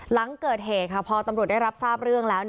หลังเกิดเหตุค่ะพอตำรวจได้รับทราบเรื่องแล้ว